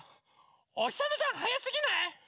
おひさまさんはやすぎない？